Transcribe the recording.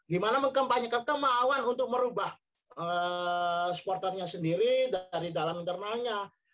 gimana mengkampanyekan kemauan untuk merubah supporternya sendiri dari dalam internalnya